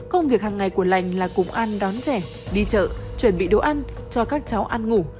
công việc hàng ngày của lành là cùng ăn đón trẻ đi chợ chuẩn bị đồ ăn cho các cháu ăn ngủ